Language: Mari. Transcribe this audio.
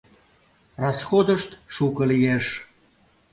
Расходышт шуко лиеш.